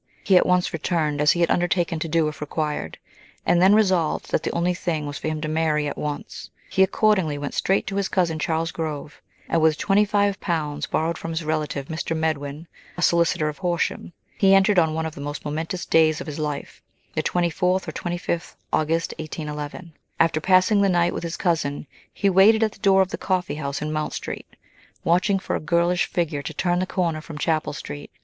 He at once returned, as he had undertaken to do if required, and then resolved that the only thing was for him to marry at once. He accordingly went straight to his cousin Charles Grove, and with twenty five pounds borrowed from his relative Mr. Medwin, a solicitor at Horsham, he entered on one of the most momentous days of his life the 24th or 25th August 1811. After passing the night with his cousin, he waited at the door of the coffee house in Mount Street, watching for a girlish figure to turn the corner from Chapel Street.